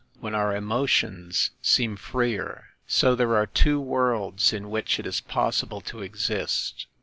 ‚ÄĒ when our emotions seem freer ‚ÄĒ so there are two worlds in which it is possible to exist.